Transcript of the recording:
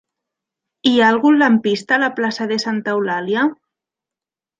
Hi ha algun lampista a la plaça de Santa Eulàlia?